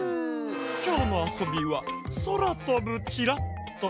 きょうのあそびは「そらとぶチラッと」。